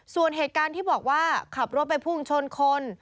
ส่วนเหตุการณ์ที่บอกว่าขับรถไปพุ่งชนคน